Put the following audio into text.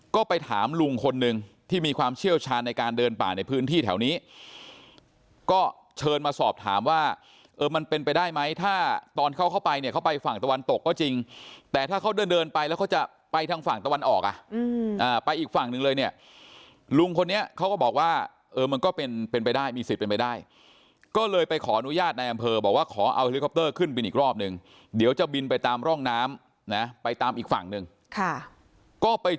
ก็ไปถามลุงคนนึงที่มีความเชี่ยวชาญในการเดินป่าในพื้นที่แถวนี้ก็เชิญมาสอบถามว่าเออมันเป็นไปได้ไหมถ้าตอนเข้าเข้าไปเนี่ยเข้าไปฝั่งตะวันตกก็จริงแต่ถ้าเขาเดินเดินไปแล้วเขาจะไปทางฝั่งตะวันออกอ่ะอืมอ่าไปอีกฝั่งนึงเลยเนี่ยลุงคนนี้เขาก็บอกว่าเออมันก็เป็นเป็นไปได้มีสิทธิ์เป็นไปได้ก็